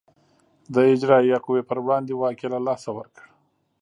د اجرایه قوې پر وړاندې واک یې له لاسه ورکړ.